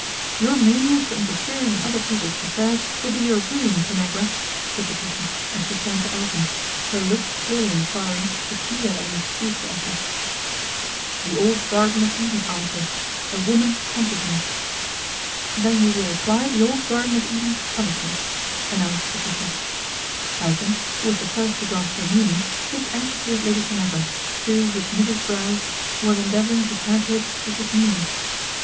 "Your mania for interfering in other people's affairs will be your ruin, Tanagra," said Patricia as she turned to Elton, her look clearly enquiring if he had any excuse to offer. ' The old Garden of Eden answer," he said. " A woman tempted me." THE GREATEST INDISCRETION 309 ' Then we will apply the old Garden of Eden punishment," announced Patricia. Elton, who was the first to grasp her meaning, looked anxiously at Lady Tanagra, who with knitted brows was endeavouring to penetrate to Patricia's meaning.